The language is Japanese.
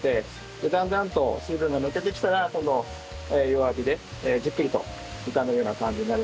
でだんだんと水分が抜けてきたら今度弱火でじっくりと炒めるような感じになります。